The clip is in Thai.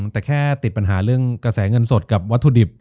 แต่แค่ติดปัญหาเรื่องกระแสเงินสดกับวัตถุดิบ